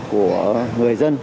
của người dân